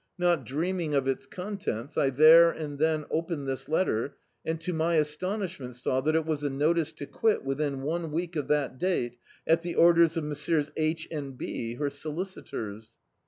Not dreaming of its contents, I there and then opened this letter, and to my aston ishment saw that it was a notice to quit within one week of that date, at the orders of Messrs. H. and B., her solicitors.